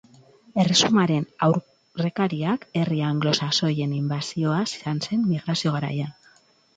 Erresumaren aurrekariak herri anglo-saxoien inbasioa izan zen Migrazio Garaian.